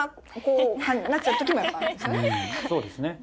そうですね。